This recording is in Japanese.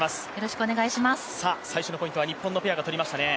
最初のポイントは日本のペアが取りましたね。